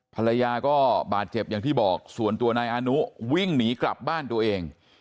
ภรรยาก็บาดเจ็บอย่างที่บอกส่วนตัวนายอานุวิ่งหนีกลับบ้านตัวเอง